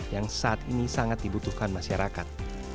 yang saat ini sangat dibutuhkan masyarakat